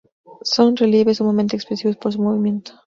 Son relieves sumamente expresivos por su movimiento.